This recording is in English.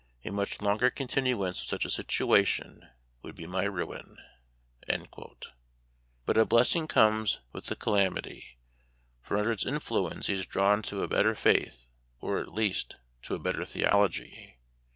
... A much longer continuance of such a situation would be my ruin." Memoir of Washington In: 79 But a blessing comes with the calamity, for under its influence he is drawn to a better faith, or, at least, to a better theology.